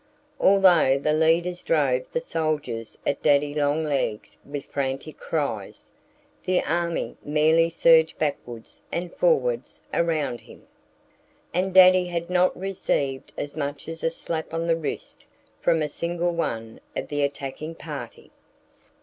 Although the leaders drove the soldiers at Daddy Longlegs with frantic cries, the army merely surged backwards and forwards around him. And Daddy had not received as much as a slap on the wrist from a single one of the attacking party.